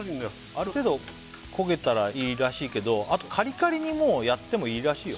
ある程度焦げたらいいらしいけどあとカリカリにやってもいいらしいよ